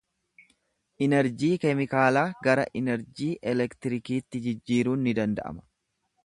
Inerjii keemikaalaa gara inerjii elektiriikiitti jijjiiruun ni danda’ama.